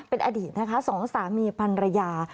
เป็นอดีตนะคะสองสามีพันรยา